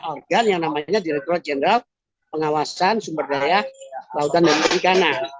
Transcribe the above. organ yang namanya direktur general pengawasan sumberdaya lautan dan ikanah